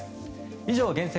以上、厳選！